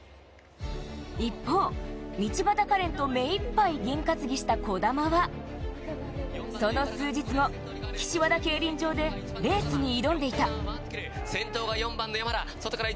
一方、道端カレンと目いっぱいゲン担ぎした児玉は、その数日後、岸和田競輪場でレースに挑んでいた。